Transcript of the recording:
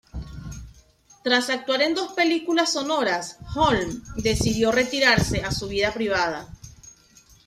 Tras actuar en dos películas sonoras, Holm decidió retirarse a su vida privada.